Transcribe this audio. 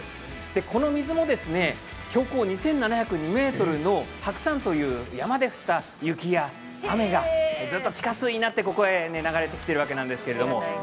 この水も標高２７０２ｍの白山という山で降った雪や雨が地下水となって流れてきているわけです。